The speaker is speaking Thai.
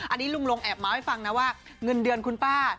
อันนี้ลุงลงแอบเมาส์ให้ฟังนะว่าเงินเดือนคุณป้า